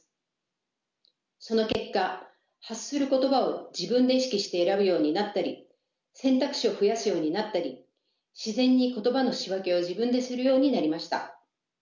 その結果発する言葉を自分で意識して選ぶようになったり選択肢を増やすようになったり自然に言葉の仕分けを自分でするようになりました。